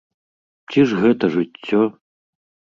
Ці ж гэта жыццё?